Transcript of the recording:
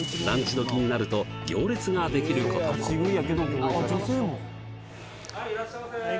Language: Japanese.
時になると行列ができることもはいいらっしゃいませはい